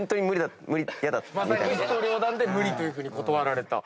一刀両断で「無理」というふうに断られた。